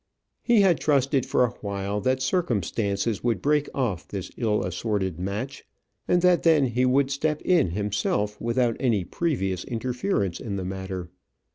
He had trusted for awhile that circumstances would break off this ill assorted match, and that then he could step in himself without any previous interference in the matter.